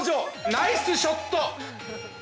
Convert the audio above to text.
ナイスショット！